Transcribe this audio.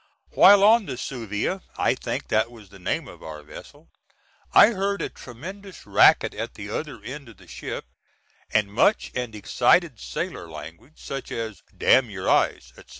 While on the Suviah I think that was the name of our vessel I heard a tremendous racket at the other end of the ship, and much and excited sailor language, such as "damn your eyes," etc.